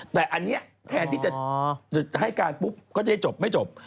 แต่อันนี้แทนที่จะให้การปุ๊บก็จะได้จบไม่จบ